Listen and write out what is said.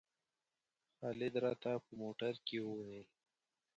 خالد راته په موټر کې وویل.